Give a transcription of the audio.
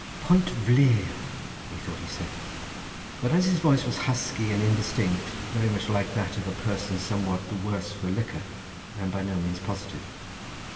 "Pont Vleer," methought he said, but as his voice was husky and indistinct, very much like that of a person somewhat the worse for liquor, I am by no means positive.